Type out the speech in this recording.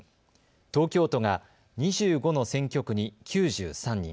東京都が２５の選挙区に９３人。